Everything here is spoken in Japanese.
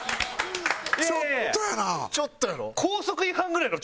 ちょっとやな。